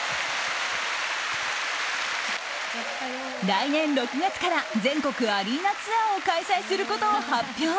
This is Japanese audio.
来年６月から全国アリーナツアーを開催することを発表。